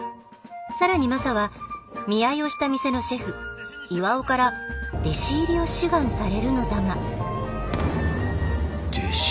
更にマサは見合いをした店のシェフ巌から弟子入りを志願されるのだが弟子？